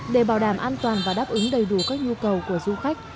để bảo đảm an toàn và đáp ứng đầy đủ các nhu cầu của du khách